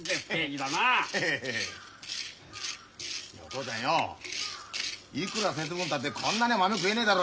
父ちゃんよおいくら節分たってこんなに豆食えねえだろうよ。